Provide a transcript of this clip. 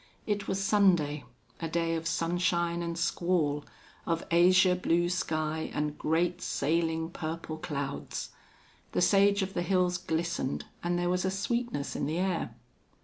It was Sunday, a day of sunshine and squall, of azure blue sky, and great, sailing, purple clouds. The sage of the hills glistened and there was a sweetness in the air.